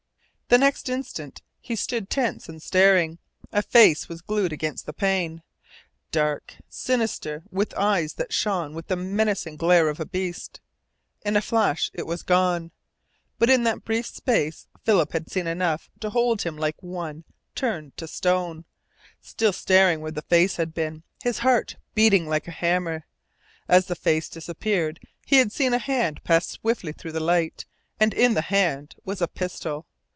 The next instant he stood tense and staring. A face was glued against the pane: dark, sinister, with eyes that shone with the menacing glare of a beast. In a flash it was gone. But in that brief space Philip had seen enough to hold him like one turned to stone, still staring where the face had been, his heart beating like a hammer. As the face disappeared he had seen a hand pass swiftly through the light, and in the hand was a pistol.